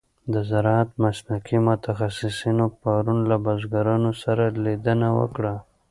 د زراعت مسلکي متخصصینو پرون له بزګرانو سره لیدنه وکړه.